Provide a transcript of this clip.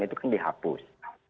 itu kan dihapus